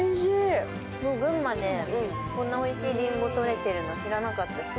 群馬ね、こんなおいしいりんごとれてるの知らなかった。